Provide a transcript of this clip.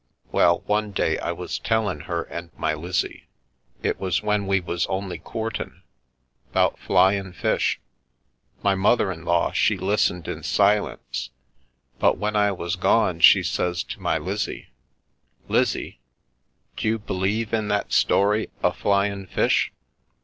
" Well, one day I was tellin' her and my Lizzie — it was when we was only coortin* — *bout flyin' fish. My mother in law she listened in silence, but when I was gone she says to my Lizzie :' Lizzie, d'you b'lieve in that story o' flyin' fish?